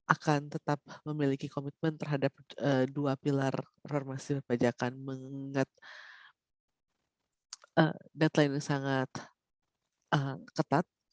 akan tetap memiliki komitmen terhadap dua pilar reformasi perpajakan mengingat deadline yang sangat ketat